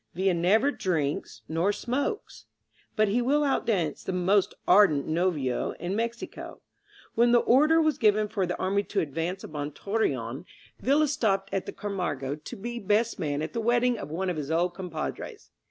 Villa never drinks nor smokes, but he will outdance the most ardent novio in Mexico. When the order was given for the army to advance upon Torreon, ViUa 133 INSURGENT MEXICO stopped off at Camargo to be best man at the wedding of one of his old compadres.